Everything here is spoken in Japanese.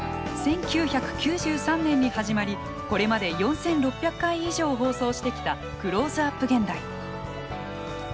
１９９３年に始まりこれまで４，６００回以上放送してきた「クローズアップ現代」。